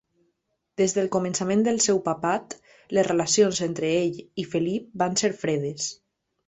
Des del començament del seu papat, les relacions entre ell i Felip van ser fredes.